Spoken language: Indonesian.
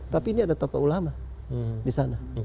tapi ini ada tokoh ulama di sana